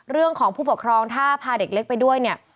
เรื่องของผู้ปกครองถ้าพาเด็กเล็กไปด้วยเนี่ย